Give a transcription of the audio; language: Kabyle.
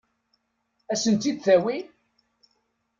Ad sen-tt-id-tawi?